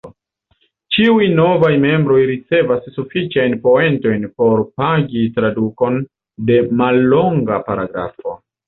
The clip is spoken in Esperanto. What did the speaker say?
Ĉiuj novaj membroj ricevas sufiĉajn poentojn por "pagi" tradukon de mallonga paragrafo.